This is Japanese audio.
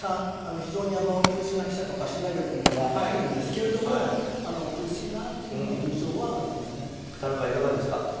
非常に優秀な記者とか取材力があるんですけども苦しいなというふうな田中、いかがですか。